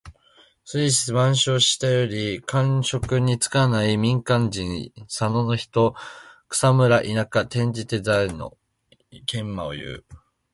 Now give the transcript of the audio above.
『孟子』「万章・下」より。官職に就かない民間人。在野の人。「草莽」は草むら・田舎。転じて在野・民間をいう。